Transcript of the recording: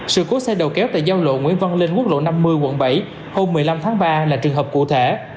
sự cố xe đầu kéo tại giao lộ nguyễn văn linh quốc lộ năm mươi quận bảy hôm một mươi năm tháng ba là trường hợp cụ thể